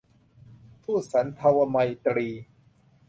ทูตสันถวไมตรี